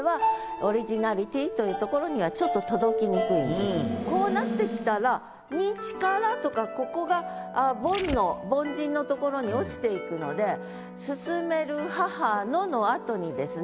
ですから目とこうなってきたら「に力」とかここが凡の凡人のところに落ちていくので「勧める母の」のあとにですね